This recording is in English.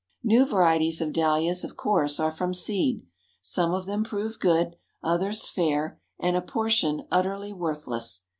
New varieties of Dahlias, of course, are from seed. Some of them prove good, others fair, and a portion utterly worthless.